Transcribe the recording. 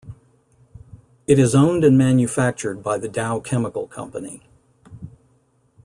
It is owned and manufactured by The Dow Chemical Company.